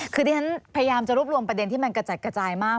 คือที่ฉันพยายามจะรวบรวมประเด็นที่มันกระจัดกระจายมาก